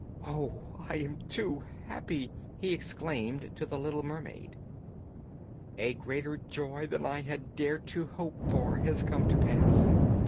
'Oh! I am too happy!' he exclaimed to the little mermaid. 'A greater joy than I had dared to hope for has come to pass.